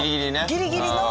ギリギリね。